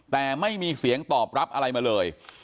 แต่ไม่มีเสียงตอบรับอะไรมาเลย